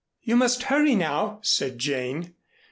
"You must hurry now," said Jane.